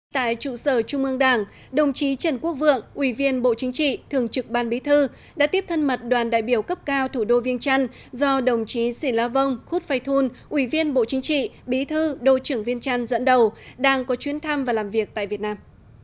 tại trụ sở trung ương đảng đồng chí trần quốc vượng ủy viên bộ chính trị thường trực ban bí thư đã tiếp thân mật đoàn đại biểu cấp cao thủ đô viên trăn do đồng chí xỉn la vong khúc phay thun ủy viên bộ chính trị bí thư đô trưởng viên trăn dẫn đầu đang có chuyến thăm và làm việc tại việt nam